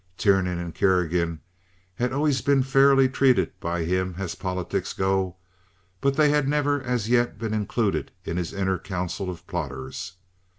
Tiernan and Kerrigan had always been fairly treated by him as politics go; but they had never as yet been included in his inner council of plotters.